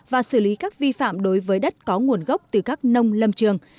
và xử lý các vi phạm đối với đất có nguồn gốc từ các nông lâm trường